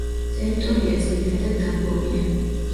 ტერიტორია ძირითადად დაბლობია.